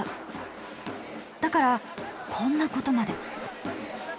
だからこんなことまで。